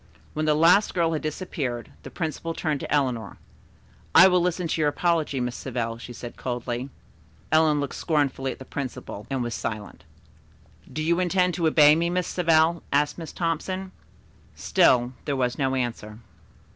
When the last girl had disappeared the principal turned to Eleanor. "I will listen to your apology, Miss Savell," she said coldly. Eleanor looked scornfully at the principal, and was silent. "Do you intend to obey me, Miss Savell?" asked Miss Thompson. Still there was no answer.